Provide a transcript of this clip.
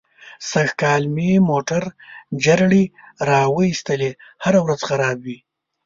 سږ کال مې موټر جرړې را و ایستلې. هره ورځ خراب وي.